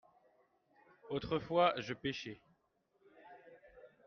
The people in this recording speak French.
autrefois je pêchai.